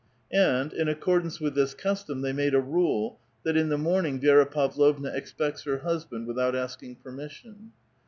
And, in accordance with this custom they made a rule, that in the raorniug Vi6ra Pavlovna expects her husband without asking permission.